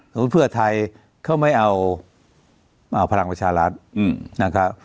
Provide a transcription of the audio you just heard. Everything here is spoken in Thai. เพื่อไทยเขาไม่เอาพลังประชารัฐนะครับ